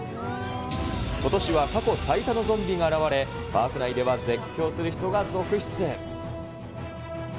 ことしは過去最多のゾンビが現れ、パーク内では、絶叫する人が続出。